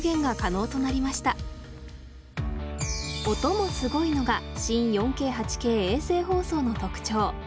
音もすごいのが新４Ｋ８Ｋ衛星放送の特徴。